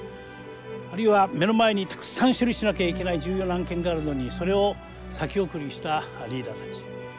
あるいは目の前にたくさん処理しなきゃいけない重要な案件があるのにそれを先送りしたリーダーたち。